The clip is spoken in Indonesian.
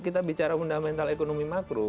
kita bicara fundamental ekonomi makro